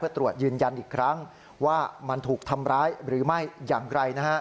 เพื่อตรวจยืนยันอีกครั้งว่ามันถูกทำร้ายหรือไม่อย่างไร